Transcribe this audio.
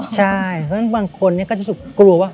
ใช่แล้วบางคนก็จะรู้ว่า